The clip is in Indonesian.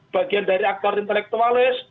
bagian dari aktor intelektualis